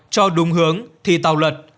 cho đúng hướng thì tàu lật